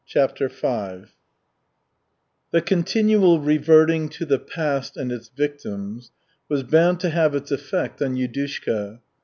CHAPTER V The continual reverting to the past and its victims was bound to have its effect on Yudushka.